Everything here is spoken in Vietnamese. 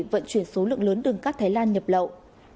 vận chuyển số lượng lớn đường cát thái lan nhập lậu